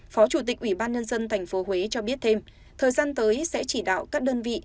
phó chủ tịch ubnd tp huế cho biết thêm thời gian tới sẽ chỉ đạo các đơn vị